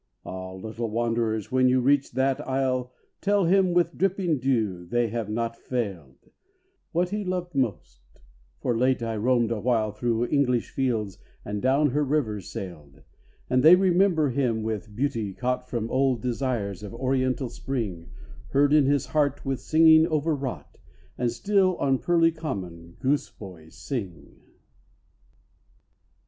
Ah, little wanderers, when you reach that isle Tell him, with dripping dew, they have not failed, 216 EVENING CLOUDS 217 What he loved most ; for late I roamed awhile Thro' English fields and down her rivers sailed ; And they remember him with beauty caught From old desires of Oriental Spring Heard in his heart with singing overwrought; And still on Purley Common gooseboys sing.